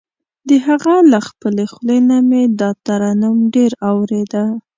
د هغه له خپلې خولې نه مې دا ترنم ډېر اورېده.